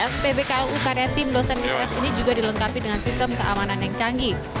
spbku karya tim dosen mistres ini juga dilengkapi dengan sistem keamanan yang canggih